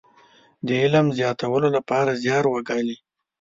د علم د زياتولو لپاره زيار وګالي.